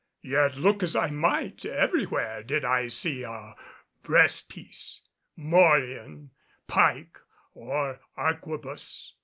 Yet look as I might, everywhere did I see a breast piece, morion, pike or arquebus.